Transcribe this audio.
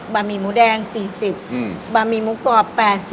หมี่หมูแดง๔๐บะหมี่หมูกรอบ๘๐